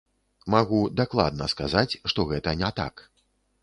Магу дакладна сказаць, што гэта не так.